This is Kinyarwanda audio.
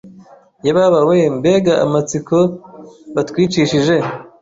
yebabawe mbega amatsiko batwicishije!